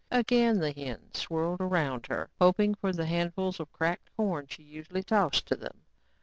Again the hens swirled about her, hoping for the handfuls of cracked corn she usually tossed to them.